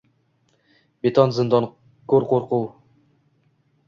Beton zindon. Koʻr qoʻrquv.